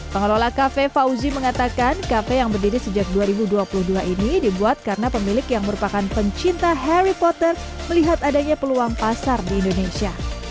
pengelola kafe fauzi mengatakan kafe yang berdiri sejak dua ribu dua puluh dua ini dibuat karena pemilik yang merupakan pencinta harry potter melihat adanya peluang pasar di indonesia